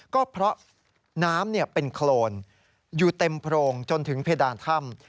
ก็เพราะน้ำเป็นโครนอยู่เต็มโพรงจนถึงเพดานถ้ำ